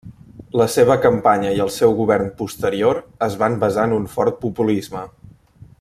La seva campanya i el seu govern posterior es van basar en un fort populisme.